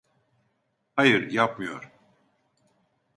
Hayır, yapmıyor.